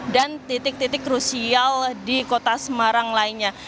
dan titik titik krusial di kota semarang lainnya